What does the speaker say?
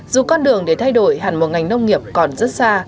dù con đường để thay đổi hẳn một ngành nông nghiệp còn rất xa